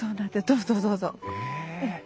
どうぞどうぞ。え！